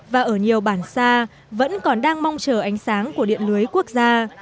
và ở nhiều bản xa vẫn còn đang mong chờ ánh sáng của điện lưới quốc gia